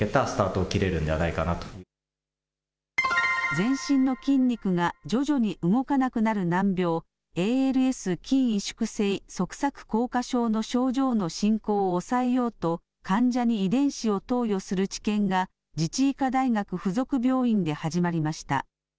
全身の筋肉が徐々に動かなくなる難病、ＡＬＳ・筋萎縮性側索硬化症の症状の進行を抑えようと患者に遺伝子を投与する治験が、自治医科大学附属病院で始まりました。